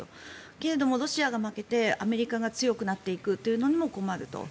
けれどもロシアが負けてアメリカが強くなっていくというのも困ると。